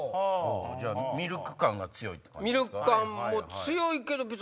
じゃあミルク感が強いって感じ？